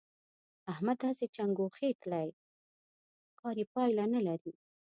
احمد هسې چنګوښې تلي؛ کار يې پايله نه لري.